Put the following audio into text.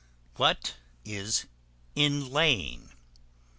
What is Inlaying?